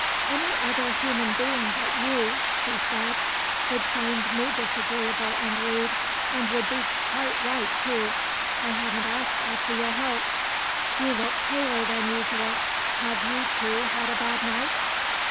"Any other human being but you," she said, "would find me disagreeable and rude and would be quite right, too. I haven't asked after your health. You look paler than usual. Have you, too, had a bad night?"